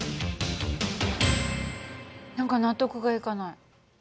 何か納得がいかない。